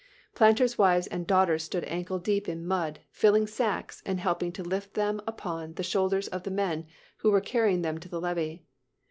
"Planters' wives and daughters stood ankle deep in mud, filling sacks and helping to lift them upon the shoulders of the men who were carrying them to the levee.